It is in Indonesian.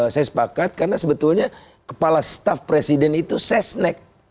saya sepakat karena sebetulnya kepala staf presiden itu sesnek